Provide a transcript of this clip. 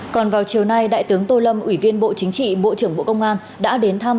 còn vào chiều nay đại tướng tô lâm ủy viên bộ chính trị bộ trưởng bộ công an đã đến thăm